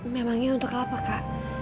memangnya untuk apa kak